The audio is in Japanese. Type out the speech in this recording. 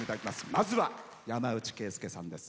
まずは山内惠介さんです。